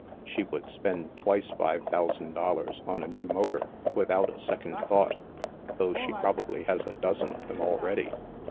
She would spend twice five thou sand dollars on a new motor, without a second thought, though she probably has a dozen of them already.